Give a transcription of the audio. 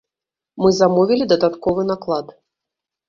Мы замовілі дадатковы наклад.